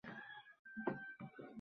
Zero, shoshilishdan foyda yo‘q.